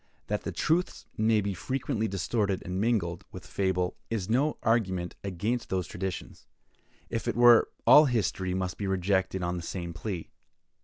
That the truths may be frequently distorted and mingled with fable, is no argument against those traditions; if it were, all history must be rejected on the same plea.